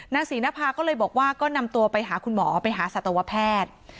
ศรีนภาก็เลยบอกว่าก็นำตัวไปหาคุณหมอไปหาสัตวแพทย์